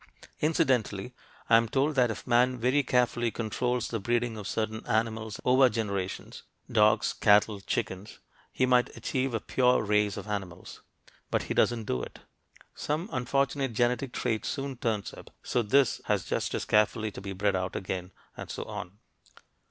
Incidentally, I'm told that if man very carefully controls the breeding of certain animals over generations dogs, cattle, chickens he might achieve a "pure" race of animals. But he doesn't do it. Some unfortunate genetic trait soon turns up, so this has just as carefully to be bred out again, and so on.